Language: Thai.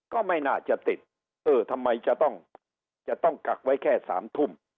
ก็ไม่น่าจะติดเออทำไมจะต้องจะต้องกักไว้แค่๓ทุ่ม